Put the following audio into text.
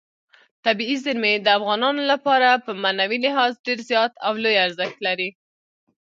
طبیعي زیرمې د افغانانو لپاره په معنوي لحاظ ډېر زیات او لوی ارزښت لري.